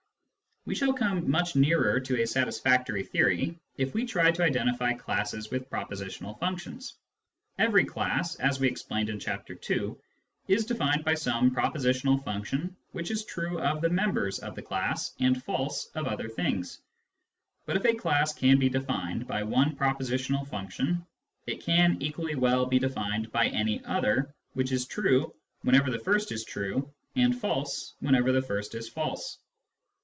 We shall come much nearer to a satisfactory theory, if we try to identify classes with propositional functions. Every class, as we explained in Chapter II., is defined by some pro positional function which is true of the members of the class and false of other things. But if a class can be defined by one propositional function, it can equally well be defined by any other which is true whenever the first is true and false when ever the first is false.